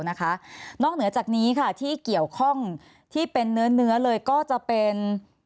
นอกเหนือจากนี้ค่ะที่เกี่ยวข้องที่เป็นเนื้อเลยก็จะเป็น